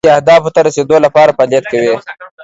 طبي شورا لاندې اهدافو ته رسیدو لپاره فعالیت کوي